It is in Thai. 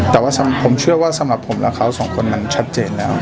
แต่ว่าผมเชื่อว่าสำหรับผมและเขาสองคนมันชัดเจนแล้ว